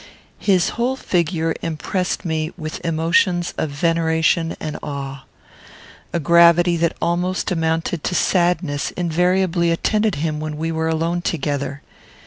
His whole figure impressed me with emotions of veneration and awe. A gravity that almost amounted to sadness invariably attended him when we were alone together.